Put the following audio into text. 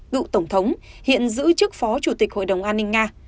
cựu tổng thống hiện giữ chức phó chủ tịch hội đồng an ninh nga